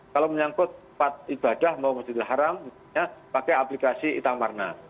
kalau menyangkut ibadah mau menjadi haram makanya pakai aplikasi itamarna